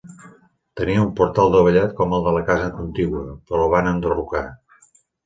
Tenia un portal dovellat com el de la casa contigua, però el van enderrocar.